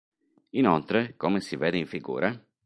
Inoltre, come si vede in fig.